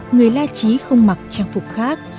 người la chí không mặc trang phục khác